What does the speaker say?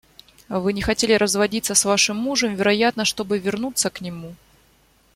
Вы не хотели разводиться с вашим мужем, вероятно, чтобы вернуться к нему.